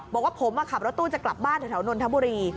บอกว่าผมขับรถตู้จะกลับบ้านแถวนนทบุรี